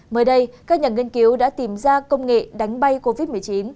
mới đây các nhà nghiên cứu đã tìm ra công nghệ đánh bay covid một mươi chín